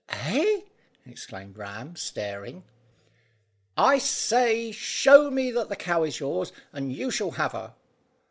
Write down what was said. "Eh!" exclaimed Ram, staring. "I say, show me that the cow is yours, and you shall have her."